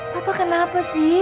papa kenapa sih